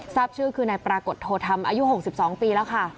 ทราบชื่อคือนายปรากฏโทธรรมอายุ๖๒ปีแล้วค่ะ